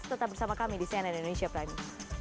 tetap bersama kami di cnn indonesia prime